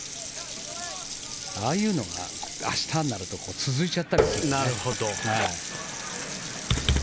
ああいうのが明日になると続いちゃったりすると。